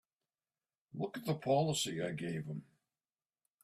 Look at the policy I gave him!